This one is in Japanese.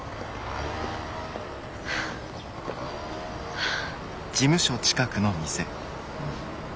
はあ。